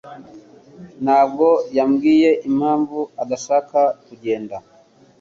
ntabwo yambwiye impamvu adashaka kugenda.